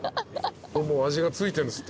もう味が付いてるんですって。